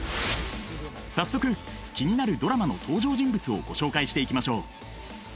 早速気になるドラマの登場人物をご紹介していきましょう！